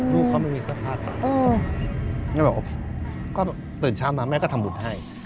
ลูกเขาไม่มีเสื้อผ้าใส่แม่บอกโอเคก็ตื่นเช้ามาแม่ก็ทำบุญให้